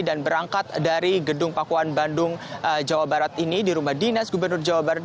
dan berangkat dari gedung pakuan bandung jawa barat ini di rumah dinas gubernur jawa barat